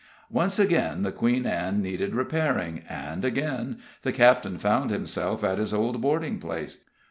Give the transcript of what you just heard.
Once again the Queen Ann needed repairing, and again the captain found himself at his old boarding place.